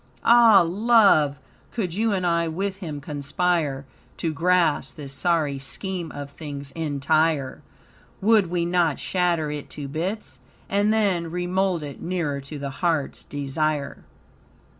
"Ah, love! Could you and I with him conspire To grasp this sorry scheme of things entire, Would we not shatter it to bits? And then Remould it nearer to the heart's desire."